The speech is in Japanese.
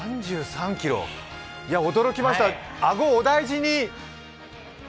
驚きました、顎、お大事に。